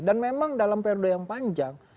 dan memang dalam periode yang panjang